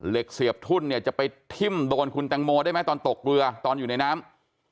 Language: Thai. เสียบทุ่นเนี่ยจะไปทิ่มโดนคุณแตงโมได้ไหมตอนตกเรือตอนอยู่ในน้ำ